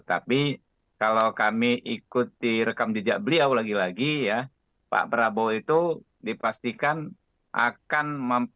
tapi kalau kami ikuti rekam jejak beliau lagi lagi ya pak prabowo itu dipastikan akan